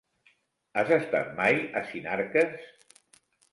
Has estat mai a Sinarques?